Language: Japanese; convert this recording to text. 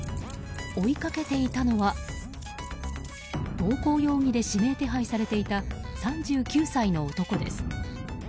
追いかけていたのは暴行容疑で指名手配されていた３９歳の男です。